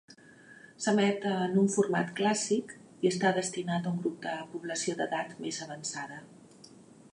S'emet en un format clàssic i està destinat a un grup de població d'edat més avançada.